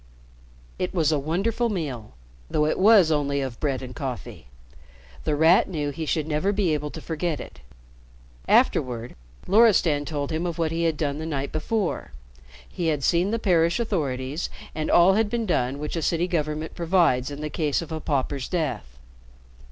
It was a wonderful meal, though it was only of bread and coffee. The Rat knew he should never be able to forget it. Afterward, Loristan told him of what he had done the night before. He had seen the parish authorities and all had been done which a city government provides in the case of a pauper's death.